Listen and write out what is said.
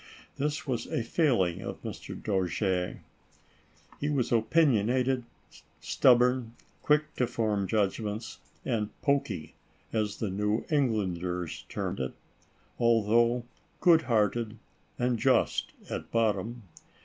This was a failing of Mr. Dojere. He was opinionated, stubborn, quick to £orm judgments, and "pokey" as the New Englanders term it, although good hearted and just at bottom.